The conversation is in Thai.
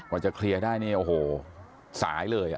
จะเคลียร์ได้เนี่ยโอ้โหสายเลย